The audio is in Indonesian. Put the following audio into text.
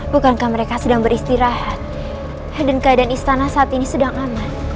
bukankah mereka sedang beristirahat dan keadaan istana saat ini sedang aman